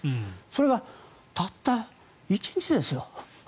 それが、たった１日ですよ。